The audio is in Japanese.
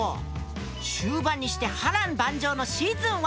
終盤にして波乱万丈のシーズン１。